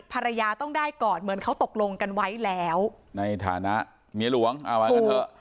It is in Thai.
ภรรยาต้องได้ก่อนเหมือนเขาตกลงกันไว้แล้วในฐานะเมียหลวงเอาไว้กันเถอะ